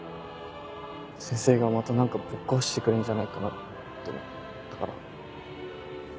先生がまた何かぶっ壊してくれんじゃないかなって思ったから。